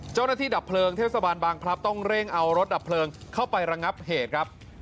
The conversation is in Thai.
ดับเพลิงเทศบาลบางพลับต้องเร่งเอารถดับเพลิงเข้าไประงับเหตุครับ